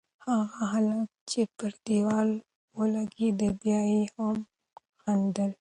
هغه هلک چې پر دېوال ولگېد، بیا یې هم خندل.